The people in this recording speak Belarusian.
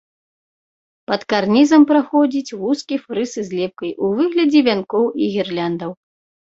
Пад карнізам праходзіць вузкі фрыз з лепкай у выглядзе вянкоў і гірляндаў.